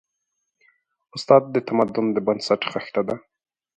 استاد د تمدن د بنسټ خښته ده.